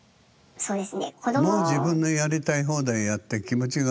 そうです。